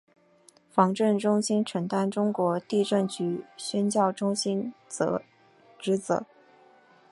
震防中心承担中国地震局宣教中心职责。